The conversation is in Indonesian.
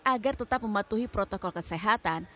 agar tetap mematuhi protokol kesehatan